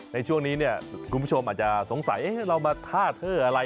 ในช่วงนี้เนี่ยคุณผู้ชมอาจจะสงสัยเรามาท่าเทออะไร